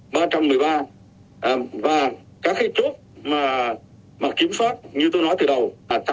và các cái chốt mà kiểm soát như tôi nói từ đầu là tám trăm bảy mươi bốn